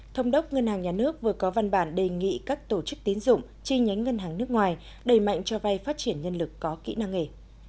thống đốc ngân hàng nhà nước vừa có văn bản đề nghị các tổ chức tín dụng chi nhánh ngân hàng nước ngoài đầy mạnh cho vay phát triển nhân lực có kỹ năng nghề